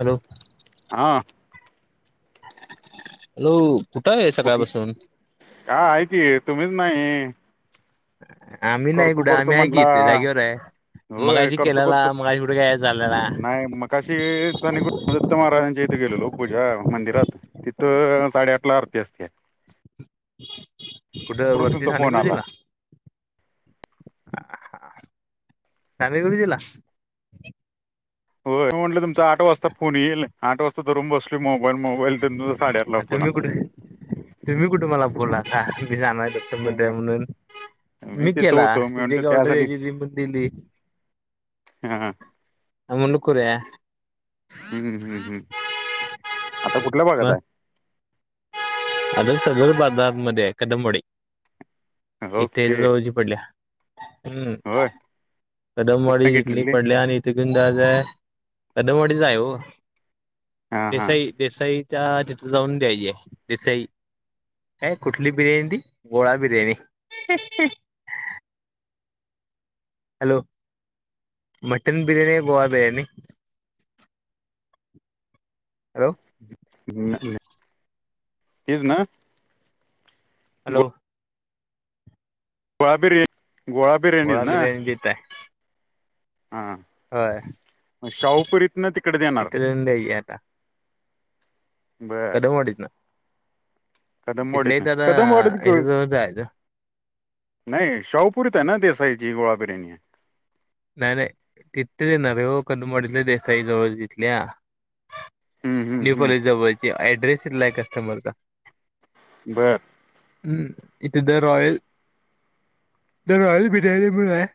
Hello हं hello कुठं आहे सकाळपासून? हा ऐतीय, तुम्हीच नाही आम्ही नाही करतो कुठं करतो आम्ही आहे की म्हटला इथे जागेवर आहे होय मगाशी करतो केलेला करतो, मगाशी कुठे काय झालेला नाही मग काशीच आणि दत्त महाराजांच्या इथे गेलेलो पूजा मंदिरात तिथं साडेआठला अरती असते. कुठे वरून वरती, तुमचा नाणे फोन आला गुरुजिला [unintelligible] हो म्हटलं तुमचा आठ वाजता फोन येईल, आठ वाजता धरून बसलो मोबाईल, मोबाईल [unintelligible] आता फोन तुम्ही कुठ तुम्ही, कुठे मला बोलाता, मी जाणार आहे दत्ता मंदिरात आला म्हणून. मी तिथं केला, होतो मी तिथे म्हणतो का ऑर्डर त्यासाठी या्यायची ती पण दिली हं मुणकूर्या हम्म हम्म हम्म हम्म, आता कुठल्या भागात आहे? अगर सदर बागगमध्ये कदंबडी आहे इथे [inaudible] ओके जवळची पडल्या- होय कदमवाडी कुठनं तिथली घेतलेली पडल्या आणि छगनदादा कदमवाडी चा आहे हो- हा हा देसाई देसाईच्या तिथे जाऊन देय हे देसाई - कुठंली बिर्याणी ती गोळा बिर्याणी. हॅलो मटन बिर्याणी गोळा बिर्याणी - हॅलो- ना ना हिचं ना- हॅलो- गोळा बिर्याणी गोळा बिर्याणीच ना- [inaudible] हां- आहे होय मग शाहूपुरीत ना तिकडं देणार. तिथे जाऊन द्यायची कदम वाडीत न- कदम वाडीत ना कदम वाडीत क- ह्याच्या जवळ जायचं नाही शाहपुरीत आहे ना देसाईची गोळा बिर्याणी. नाही नाही तिथ देणार आहे हो कदमडीतल्या देसाई जवळ तिथल्या- हम्म हम्म न्यू काॅलेज हम्म जवळची ऍड्रेस इथला आहे कस्टमर का- बर- हम्म इथे the royal the royal biryani पण आहे.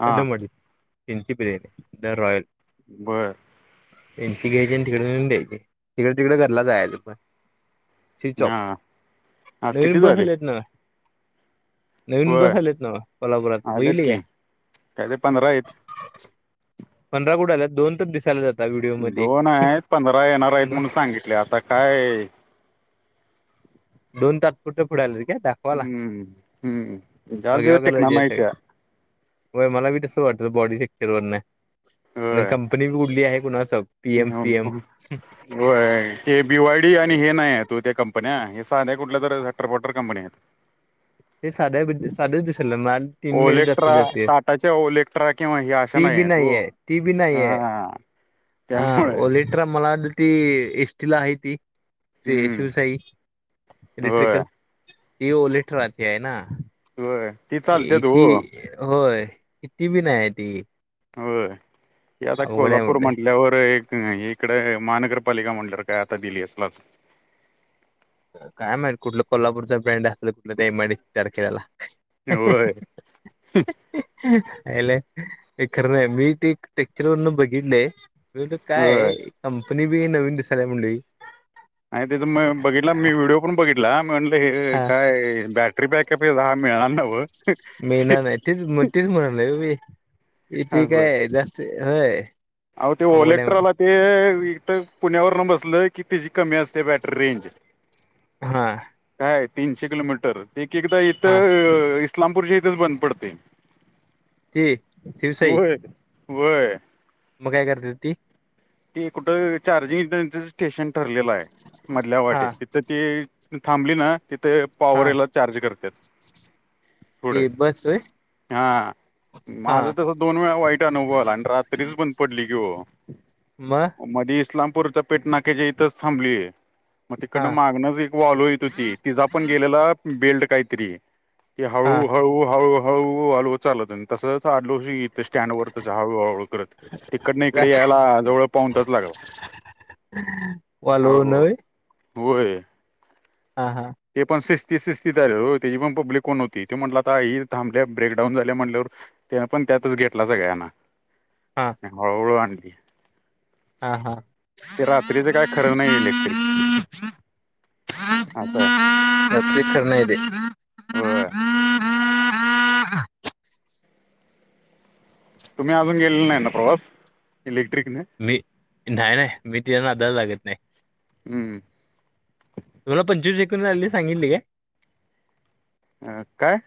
हा कदमवाडी त्यांची बिर्याणी द रॉयल- बरं- एनटी घ्यायची आणि तिकड निहुन द्यायची तिकड तिकड घरला जायला पण- स्चच ऑफ हा आज किती नवीन बस झाले आलेतणा- नवीन होय बस आलेत नव्ह कोल्हापुरात आलेत बघितली की काय? काय तर पंधरा आहेत. पंढरा कुठ आल्यात दोन तर दिसायल्यात. दोन आहेत पंधरा येणार आहेत मग म्हणून सांगितले आता काय- दोन तात्पुरत्या पुुढे आल्यात कााय आता- हम्म हम् भगव्या कलरचे सगळे [inaudible] होय मला बी तस वाटत बॉडी सेक्टर वरना आहे आणि होय कंपनी बी उडली आहे कुणास ठाऊक. पीएम पीएम होय ते बीवाय डी आणि हे नाही आहेत व ह्या कंपन्या- [inaudible] कुठल्या तर सटरफटर कंपन्या आहेत. [unintelligible] हे साध्या साध्याच दिसालं माल तीन मिन ओलेक्ट्रा जाते टाटाच्या ओलेक्ट्रा किंवा हे अशा ती नाही बी आहेत ओ नाहीये. ती बी नाहीेये. हा हा त्यामुळे ओलेट्र मला ती एसटीला आहे ती हम्म शिवसाई- होय इलेक्ट्रिकल ती ओलेट्रा ची आहे ना- होय - इती होय इती बी नाही आहे ती- हो ती आता अवघड आहे कोल्हापूर म्हटलं म्हंटल्यावर- होय इकड महानगरपालिका म्हणल्यावर काय आता दिली असलाच- काय माहित कुठलं कोल्हापूरच ब्रँड असल कुठलं तर एमआयडीसी तारखेला. होय आयला काय खरं नाही मी ते टेक्चर वरन बघितलंय. मी म्हणलं काय होय आहे कंपनी बी नवीन दिसायल्या म्हंणलो मी- आणि तिथ मग बघितला मी व्हिडओ पण बघितला. ला म्हणल हा काय बॅटरी बॅकअप हे हा मिळणार नव्ह. ते तीच तेच म्हणालो मी इथे काय जास्त व्हय. आहो ते ओलेक्ट्राला ते हीथ पुण्यावरून बसल की त्याची कमी असते बॅटरी. हां काय तीनशे किलोमीटर एक एकदा इथ हा [unintelligible] इस्लामपूरच्या इथेच बंद पडते ते शिवसाई व्हय व्हय. मग काय करत्यात ती? ते कुठ चार्जिंगच स्टेशन ठरलेल आहे मधल्या हा वाटेत. तर ती थांबली ना तिथे पॉवर हा याला चार्ज करतात. पुढ ते बस होय हां हा माझ तसच. दोन वेळा वाईट अनुभव आला आणि रात्रीच बंद पडली की ओ. मग? मधी इस्लामपूरच्या पेट नाक्याच्या इथच थांबली मग तिकडन हा मागण एक वॉलो येत होती तिचा पण गेलेला बेल्ट काहीतरी ती हा हळू हळू हळू. हळू हळू चालत तसच आठ वर्ष गेली. स्टँड वरच हळू हळू करत तिकडन इकड यायला जवळ पाऊणतास लागला वालवून हळूहळू होय होय. हां हां ते पण शिस्तीत शिस्तीत आले हो त्याची पण पब्लिक कोण होती ते म्हटल [unintelligible] आता ही थांबल्या ब्रेकडाऊन झाली म्हटल्यावर. त्यानपण त्यातच घेतला सगळ्यांना हळूहळू आणली. हां हां ते रात्रीच काय खर नाही इलेक्ट्रिक. असं आहे रात्री खर नाही ते. होय तुम्ही अजून गेलेला नाही ना प्रवास इलेक्ट्रिकने. मी नाही नाही मी तीच्या नादाला लागत नाही. हम्म तुला पंचवीस एकून झालेली सांगितली काय? अ काय?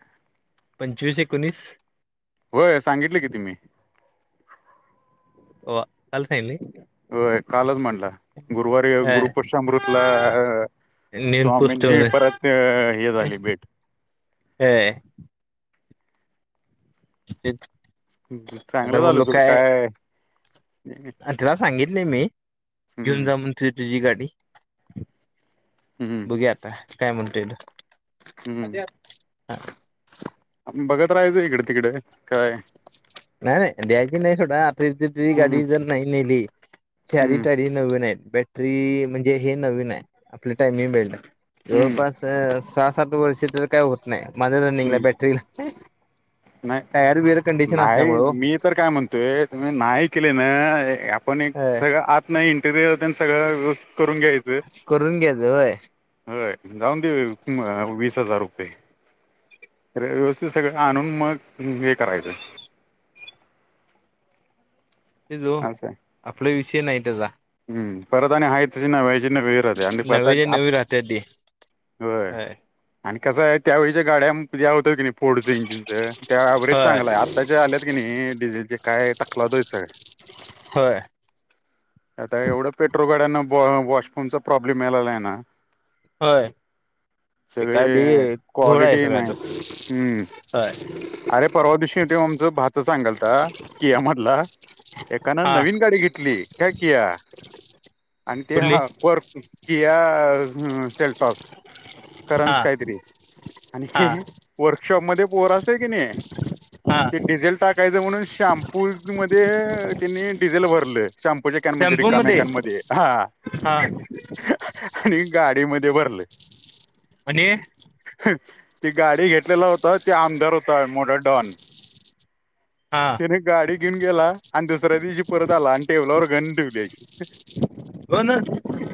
पंचवीस एकोणीस. होय सांगितल की तुम्ही. वा, काल सांगितली होय कालच म्हणला गुरुवारी हा, गुरुपुष्यमृतला नेऊन पोस्ट स्वामींची परत हे झाली भेट. [unintelligible] [inaudible] आता चांगल झाल सूड काय. त्याला सांगितलय मी घेऊन हम्म जा म्हणून तुझी तुझी गाडी. हम्म [unintelligible] आता काय म्हणतोय हम्म मग? बघत राहायच इकड तिकड काय. नाही नाही द्याची नाही सोड आता ही हम्म गाडी जर नाही नेली तर हम्म चारी [unintelligible] नवीन आहेत बॅटरी म्हणजे हे नवीन आहे आपले टायमिंग बेल्ट आहे. हम्म जवळपास सहा सात वर्ष त्याच काय होत नाही मध्ये निला पेक्षा हम्म बॅटरीला. टायर बीयर कंडीशन काही मी तर काय म्हणतोय तुम्ही नाही केले ना आपण एक हो सगळ आत. नाही इंटिरियर ते सगळं व्यवस्थित करून घ्यायचंय. करून घ्यायच होय जाऊन दे विस हजार रुपये. व्यवस्थित सगळं आणून मग हे करायचंय. ते जो असं आहे. आपला विषय नाही त्याचा. हम्म, परत आणि आहे तेच नाव्याचे नवे करते आणि आता नव्याच्या आ नवी राहत्या ते होय. आणि कसं आहे त्यावेळीच्या गाड्या होतं की नाही फोडचं इंजिनचं त्या अव्हेज होय चांगलं आहे आता ज्या आल्या की नाही डिझेलचे काय तकलाव दे होय सगळ्या. होय. आता एवढं पेट्रोल गाड्यांना वॉशफोनचा प्रॉब्लेम आलेला आहे ना. होय. एका दी सगळे घोड आहे क्वालिटी नाही सगळ्याच हम्म अस हाय. अरे परवा दिवशीतो आमचं भाचा सांगलता किया म्हटलं एकानं हा नवीन गाडी घेतली काय किया आणि ते कुठली ह वर किया सेल्स पावस हा करंज कायतरी आणि हे हा वर्कशॉप मध्ये पोर असते की नाही? हा ते डिझेल टाकायचं म्हणून शॅम्पू वीमपु मध्ये त्यांनी डिझेल भरलं शाम्पूच्या कॅनमध्ये टेम्पो रिकाम्या मध्ये कॅनमध्ये हा. हा आणि गाडीमध्ये भरले. आणि ती गाडी घेतलेला होता तो आमदार होता मोठा डॉन हा तिने गाडी घेऊन गेला आणि दुसऱ्या दिवशी परत आला आणि टेबलावर घन ठेवली अशी घन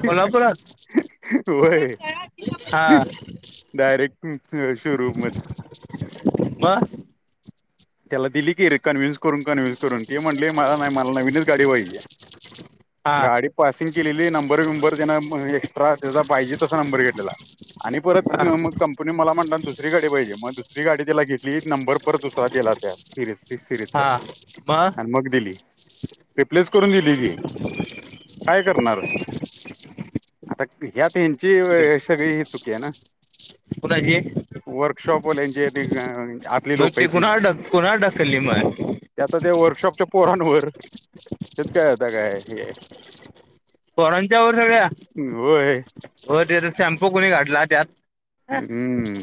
कोल्हापुरात? होय. हा. डायरेक्ट शोरूम मध्ये म? त्याला दिली की रिकन्व्हिन्स करून कन्व्हन्सून ते म्हटले मला नाही, मला नाही, मला नवीनच गाडी पाहिजे. हा गाडी पासिंग केलेली नंबर, बिबंर त्याना एक्स्ट्रा त्याचा पाहिजे तसा नंबर घेतलेला. आणि परत हा मग कंपनी मला म्हटला दुसरी गाडी पाहिजे मग दुसरी गाडी त्याला घेतली नंबर परत त्या सिरीज, सिरीजचा हा आणि मग दिली. रिप्लेस करून दिली की काय करणार. आता ह्यात ह्याची सगळी ही चुकी आहे ना. कुणाची? वर्कशॉप वाल्यांची ती आतली लोक आहेत पुन्हा त्यांची ढक, पुन्हा ढकलली मग. ते आता ते वर्कशॉपच्या पोरांवर त्यात काय आता काय हे पोरांच्यावर सगळ्या होय हो त्याच्याय शॅम्पू कोणी घठला त्यात? हा हम्म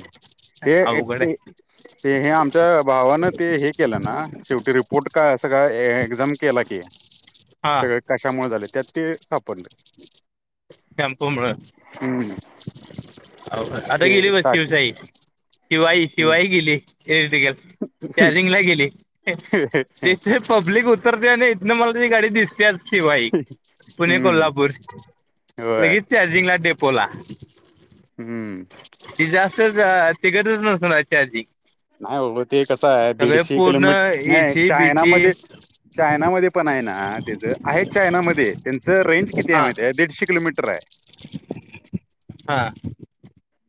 अवघड ते आहे. ते हे आमच्या भावानं ते हे केलं ना शेवटी रिपोर्ट काय असं का एक्झाम केला की. हा सगळ कशामुळे झाल त्यात ते सापडल. टॅमपो भर. हम्म. हो आता ते गेली बस टाके शिवशाही शिवाई हम्म शिवाई गेली एर्टीकल. त्याजिंगला गेली तीथ पब्लिक उतरते आणि इथन मला तुझी गाडी दिसते- शिवाई, पुणे कोल्हापूर होय लगेच चार्जिंगला डेपोला. हम्म. ती जास्तच अ [unintelligible] नाय बाबा ते कसंय. दीडशे पूर्ण किलोमीट, नाही एसी बीसी चायनामध्ये- चायनामध्ये पण आहे ना? त्याचं आहे चायना मध्ये. त्यांचं रेंज किती आहे हा माहितीे ए? दीडशे किलोमीटर ए. हां.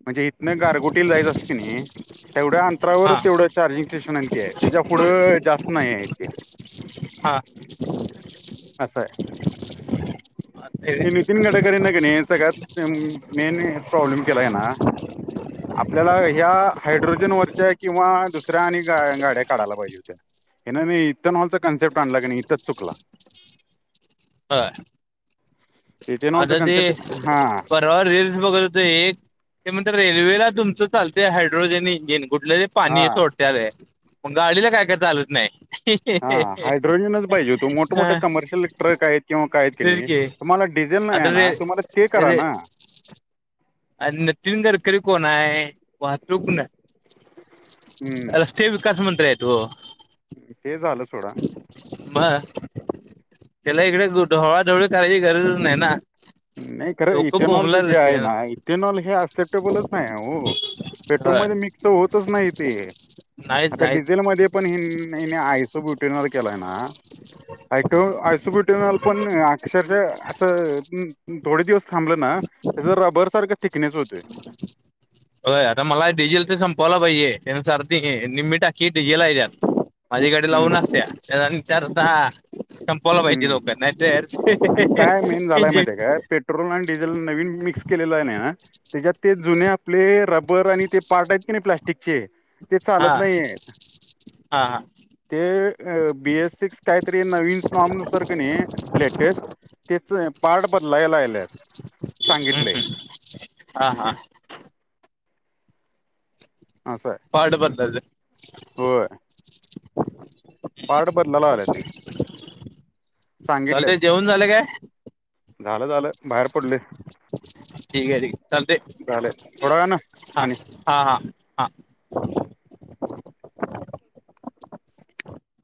म्हणजे इथनं गारगोटीला जायचं असलं की नाही- तेवढ्या हा अंतरावर तेवढं चार्जिंग स्टेशन आणि ते आहे. त्याच्या पुढं जास्त नाही आहे ते. हा. होय ते नितीन गडकरींनी की नाही सगळ्यात मेन प्रॉब्लेम केला आहे ना? आपल्याला ह्या हायड्रोजनवरच्या किंवा दुसऱ्या आणि ग गाड्या काढायला पाहिजे होत्या. ह्यान न हे इथन हॉलचा कन्सेप्ट आणला का नाही? इथंच चुकला. बर. इथेनॉलचा आता ते कन्सेप्ट हा [unintelligible] र रिल्स बघत होते. ते म्हणतात रेल्वेला तुमचं चालंतय हायड्रोजन इंजिन कुठलं? पाणी हा हे सोडत्यालं आहे. मग गाडीला काय काय चालत नाही. हां. हायड्रोजनच पाहिजे होत. मोठ मोठे हा कमर्शियल ट्रक आहेत. किंवा काही की नाही. तुम्हाला डिझेल नाही ए आता रे ना तुम्हाला ते करा रे ना. आणि नितीन गडकरी कोण आहे? वाहतूक न- हम्म विकास मंत्री आहेत तो. ते झालं सोडा. म. त्याला इकडे ढवळाढवळी करायची काही गरजच नाही ना? नाही खरं लोक इथेनॉलच बोंबलत जे आहे होते ना. इथेनॉल हे अऍक्सेप्टेबलच नाही ए हो. पेट्रोल होय मध्ये मिक्स होतच नाही ते. नाहीच आता नाहीच डिझेल मध्ये पण ह हेनी आयसोब्य- इथेनॉल केलाय ना? आयसो आयसोब्युट- इथेनॉल पण अक्षरशः असं- थोडे दिवस थांबलं ना? त्याच रबर सारख थिकनेस होतोय. होय. आता मला डीजेलच संपवला पाहिजे. [unintelligible] निम्मी टाकी डीझेल आहे त्यात. माझी गाडी लावून हम्म असत्या. [unintelligible] संप- हम्म आणि काय मेन झालाय माहितीय काय [unintelligible] पेट्रोल आणि डिझेल नवीन मिक्स केलेलं आहे ना? त्याच्यात ते जुने आपले रबर आणि ते- पार्ट आहेत की नाही प्लास्टिकचे. ते हा चालत नाहीएत. हा हा ते बी एस सिक्स काहीतरी नवीन [unintelligible] नुसार की नाही लेटेस्ट- तेच पार्ट बदलायला आल्यात. सांगितलय. हा. हा. असय. पार्ट बदलायचा. होय. पार्ट बदलाला आले ते. सांगितलेत. चालतंय जेवण झालं काय झालं झालं. बाहेर पडलोय. ठीक ए. ठीक ए. चालतंय. झाले थोडा वेळानं हा. आणि हा. हा. हा.